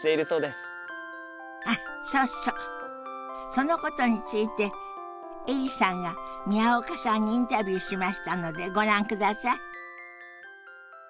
そのことについてエリさんが宮岡さんにインタビューしましたのでご覧ください。